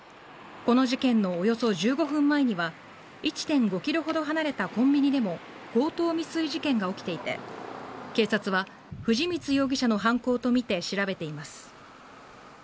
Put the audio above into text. この事件の、およそ１５分前には１．５ｋｍほど離れたコンビニでも強盗未遂事件が起きていて警察は藤光容疑者の犯行とみて調べています。